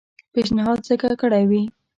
پېشنهاد ځکه کړی وي.